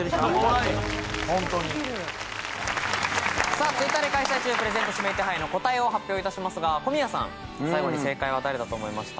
さぁＴｗｉｔｔｅｒで開催中プレゼント指名手配の答えを発表いたしますが小宮さん最後に正解は誰だと思いましたか？